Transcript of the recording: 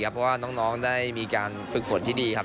เพราะว่าน้องได้มีการฝึกฝนที่ดีครับ